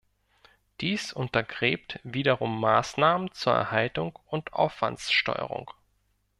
Dies untergräbt wiederum Maßnahmen zur Erhaltung und Aufwandssteuerung.